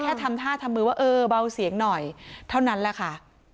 ทำท่าทำมือว่าเออเบาเสียงหน่อยเท่านั้นแหละค่ะ